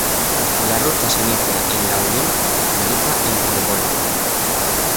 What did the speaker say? La Ruta se inicia en La Unión y finaliza en Río Bueno.